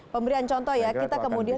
pemberian contoh ya kita kemudian